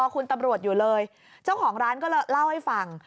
คุณตำรวจอยู่เลยเจ้าของร้านก็เล่าให้ฟัง